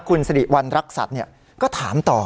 คุณสิริวัณรักษัตริย์ก็ถามต่อ